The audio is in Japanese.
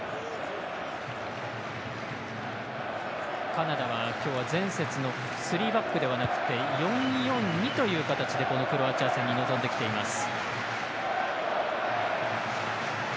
カナダは今日は前節のスリーバックではなくて４‐４‐２という形でこのクロアチア戦に臨んできています。